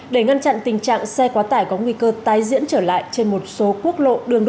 để ngăn chặn tình trạng xe quá tải có nguy cơ tái diễn trở lại trên một số quốc lộ